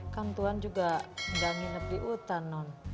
kan tuhan juga nggak nginep di hutan non